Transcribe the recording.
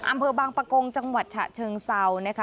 อำเภอบางปะกงจังหวัดฉะเชิงเซานะคะ